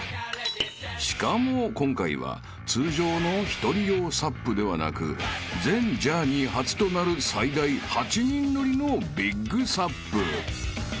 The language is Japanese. ［しかも今回は通常の１人用ＳＵＰではなく全ジャーニー初となる最大８人乗りのＢＩＧＳＵＰ］